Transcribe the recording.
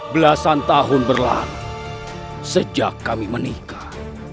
belasan tahun berlalu sejak kami menikah